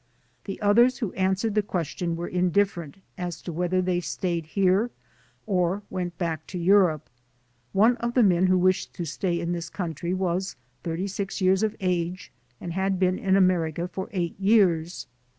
The others who answered the question were indifferent as to whether they stayed here or went back to Europe. One of the men who wished to stay in this country was thirty six years of age and had been in America for eight years.